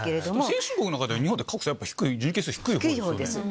先進国の中では日本って格差低い方ですよね。